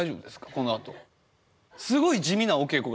このあと。